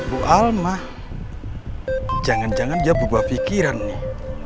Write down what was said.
bu alma jangan jangan dia berubah pikiran nih